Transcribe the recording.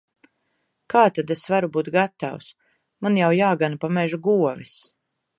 Kā tad es varu būt gatavs! Man jau jāgana pa mežu govis.